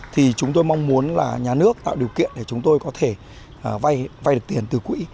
thì chúng tôi mong muốn là nhà nước tạo điều kiện để chúng tôi có thể vay được tiền từ quỹ